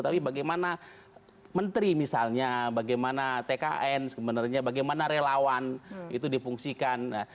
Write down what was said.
tapi bagaimana menteri misalnya bagaimana tkn sebenarnya bagaimana relawan itu dipungsikan